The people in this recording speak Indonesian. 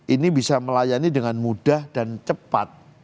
ini bisa melayani dengan mudah dan cepat